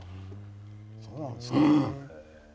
そうなんですか？